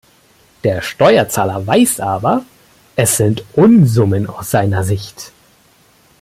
Der Steuerzahler weiß aber, es sind Unsummen aus seiner Sicht.